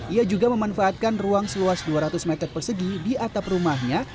ia juga memanfaatkan ruang seluas dua ratus meter persegi di atap rumahnya